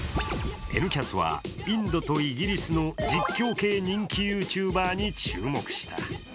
「Ｎキャス」はインドとイギリスの実況系人気ＹｏｕＴｕｂｅｒに注目した。